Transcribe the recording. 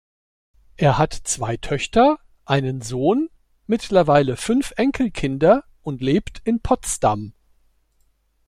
Er hat zwei Töchter, einen Sohn, mittlerweile fünf Enkelkinder und lebt in Potsdam.